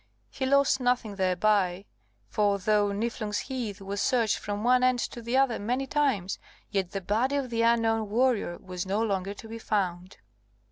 He lost nothing thereby. For though Niflung's Heath was searched from one end to the other many times, yet the body of the unknown warrior was no longer to be found.